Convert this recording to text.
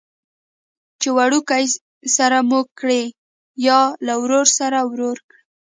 چې وړوکي سره مور کړي یا له ورور سره ورور کړي.